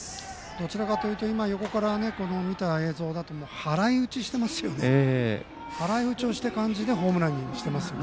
どちらかというと横から見た映像だと払いうちをした感じでホームランにしていますよね。